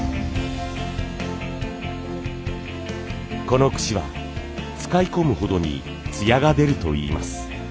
この櫛は使い込むほどに艶が出るといいます。